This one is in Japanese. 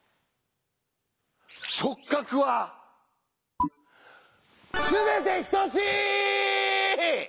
「直角は全て等しい」！